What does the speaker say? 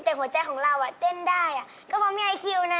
เด็กหัวใจของเราอ่ะเต้นได้อ่ะก็ต้องมีไอคิวนะ